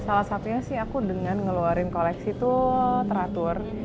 salah satunya sih aku dengan ngeluarin koleksi tuh teratur